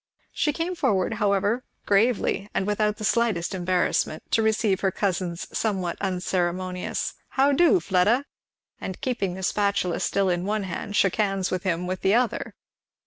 She came forward however gravely and without the slightest embarrassment to receive her cousin's somewhat unceremonious "How do, Fleda?" and keeping the spatula still in one hand shook hands with him with the other.